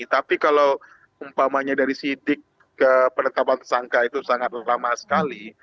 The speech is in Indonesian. tapi kalau umpamanya dari sidik ke penetapan tersangka itu sangat lama sekali